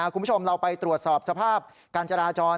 คุณผู้ชมเราไปตรวจสอบสภาพการจราจร